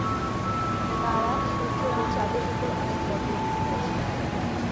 তারা সূর্য ও চাঁদের উপর অনেক পর্যবেক্ষণ করেছিলেন।